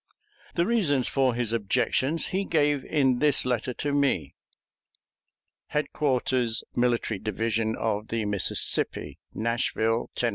The reasons for his objections he gave in this letter to me: HEADQUARTERS MILITARY DIVISION OF THE MISSISSIPPI, NASHVILLE, TENN.